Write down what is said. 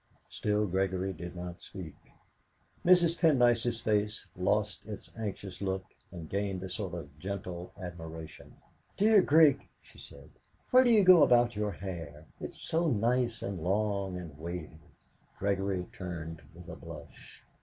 Still Gregory did not speak. Mrs. Pendyce's face lost its anxious look, and gained a sort of gentle admiration. "Dear Grig," she said, "where do you go about your hair? It is so nice and long and wavy!" Gregory turned with a blush.